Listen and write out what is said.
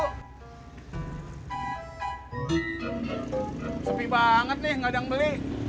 sepi banget nih nggak ada yang beli